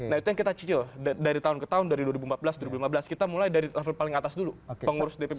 nah itu yang kita cicil dari tahun ke tahun dari dua ribu empat belas dua ribu lima belas kita mulai dari level paling atas dulu pengurus dpp